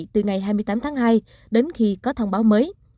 từ ngày hai mươi tám tháng hai đến khi có thông báo mới